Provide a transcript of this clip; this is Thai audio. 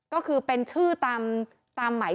ก็คือเป็นชื่อตามไหม